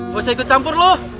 gak usah ikut campur loh